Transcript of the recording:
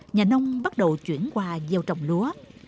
nhà nông bắt đầu chuyển qua gieo trồng lúa